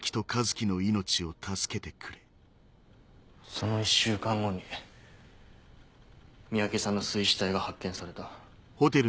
その一週間後に三宅さんの水死体が発見された。